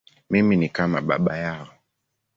Mimi ni kama baba yao.